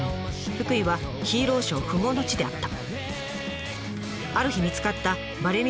福井はヒーローショー不毛の地であった。